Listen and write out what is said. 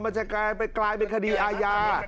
มันจะกลายเป็นคดีอาญา